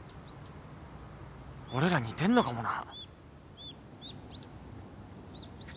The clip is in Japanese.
俺ら似てんのかもな。